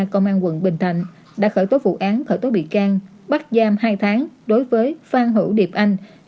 công an quận bình thạnh đã khởi tố vụ án khởi tố bị can bắt giam hai tháng đối với phan hữu điệp anh